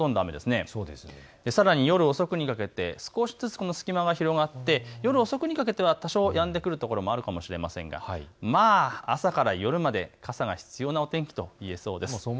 さらに夜遅くにかけて少しずつ隙間が広がって夜遅くにかけては多少、やんでくるところもあるかもしれませんが朝から夜まで傘が必要な天気といえそうです。